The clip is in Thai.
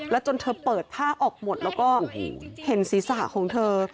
จนเธอเปิดผ้าออกหมดแล้วก็เห็นศีรษะของเธอ